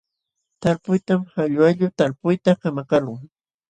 Talpuytam qalluqallu talpuyta kamakaqlun.